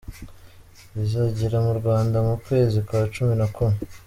Izagera mu Rwanda mu kwezi kwa cumi na kumwe.